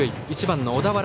１番の小田原。